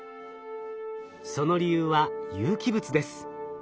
その理由は有機物です。